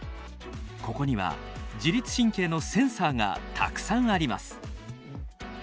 ここには自律神経のセンサーがたくさんあります。